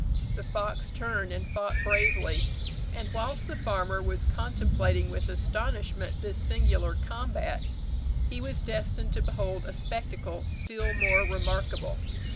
The fox turned and fought bravely; and whilst the farmer was contemplating with astonishment this singular combat, he was destined to behold a spectacle still more remarkable.